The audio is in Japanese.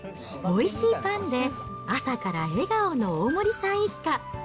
おいしいパンで、朝から笑顔の大森さん一家。